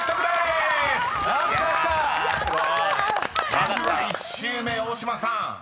［まずは１周目大島さん。